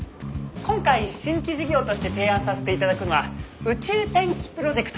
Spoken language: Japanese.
今回新規事業として提案させていただくのは宇宙天気プロジェクト。